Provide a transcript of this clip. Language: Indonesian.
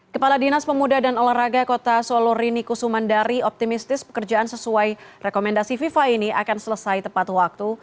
kepala dinas pemuda dan olahraga kota solo rini kusumandari optimistis pekerjaan sesuai rekomendasi fifa ini akan selesai tepat waktu